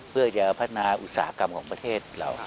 เพื่อจะพัฒนาอุตสาหกรรมของประเทศเรา